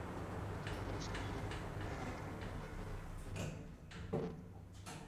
前妻是演员的户田惠子。